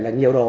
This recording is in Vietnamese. là nhiều đồ